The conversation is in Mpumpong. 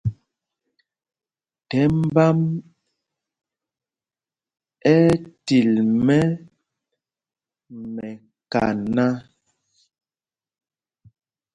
Thɛmb ā ɛ́ ɛ́ til mɛ mɛkaná.